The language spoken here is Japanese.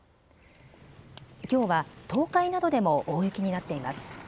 きょうは東海などでも大雪になっています。